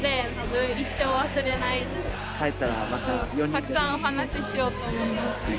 たくさんお話ししようと思います。